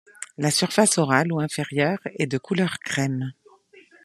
La surface orale, ou inférieure, est de couleur crème.